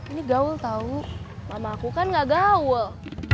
ini gaul tau mama aku kan ga gaul